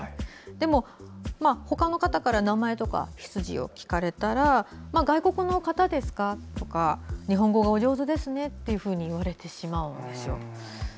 でも、他の方から名前とか出自を聞かれたら外国の方ですか？とか日本語がお上手ですねと言われてしまうんですよ。